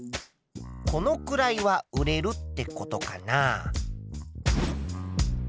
このくらいは売れるってことかな？